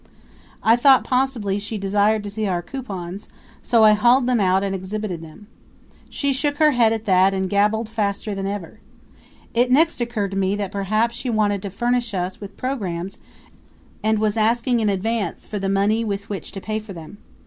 I thought possibly she desired to see our coupons, so I hauled them out and exhibited them. She shook her head at that and gabbled faster than ever. It next occurred to me that perhaps she wanted to furnish us with programs and was asking in advance for the money with which to pay for them.